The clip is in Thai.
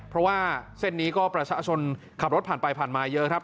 เพราะว่าเส้นนี้ก็ประชาชนขับรถผ่านไปผ่านมาเยอะครับ